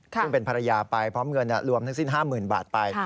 ซึ่งเป็นภรรยาไปพร้อมเงินรวมทั้งสิ้น๕๐๐๐บาทไป